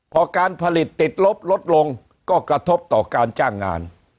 พอการผลิตติดลบลดลงก็กระทบต่อการจ้างงาน